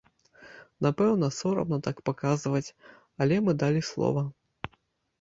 Напэўна, сорамна так паказваць, але мы далі слова!